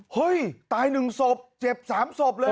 เฮ้ยตาย๑ศพเจ็บ๓ศพเลย